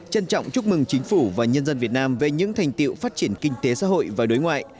trân trọng chúc mừng chính phủ và nhân dân việt nam về những thành tiệu phát triển kinh tế xã hội và đối ngoại